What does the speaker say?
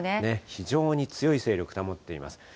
非常に強い勢力保っています。